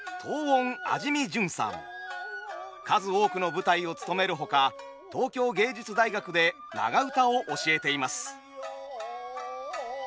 数多くの舞台をつとめるほか東京藝術大学で長唄を教えています。